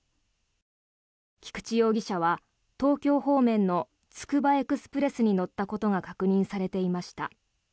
菊池容疑者は東京方面のつくばエクスプレスに乗ったことが確認されていました。